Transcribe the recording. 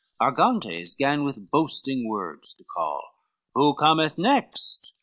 Argantes gan with boasting words to call, "Who cometh next?